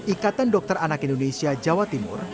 ikatan dokter anak indonesia jawa timur